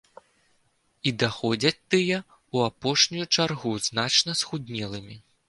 І даходзяць тыя ў апошнюю чаргу, значна схуднелымі.